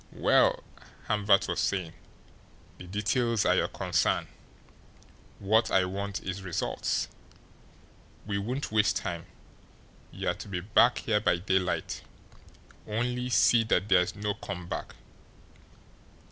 "Well," Hamvert was saying, "the details are your concern. What I want is results. We won't waste time. You're to be back here by daylight only see that there's no come back."